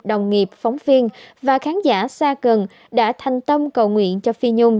đồng nghiệp phóng viên và khán giả xa gần đã thành tâm cầu nguyện cho phi nhung